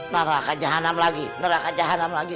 neraka jahannam lagi neraka jahannam lagi